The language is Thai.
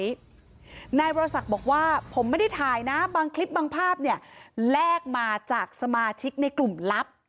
นายวรศักดิ์บอกว่าผมไม่ได้ถ่ายนะบางคลิปบางภาพเนี่ยแลกมาจากสมาชิกในกลุ่มลับ